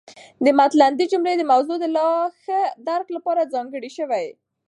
د مط الندې جملې د موضوع د لاښه درک لپاره ځانګړې شوې.